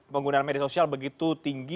penggunaan media sosial begitu tinggi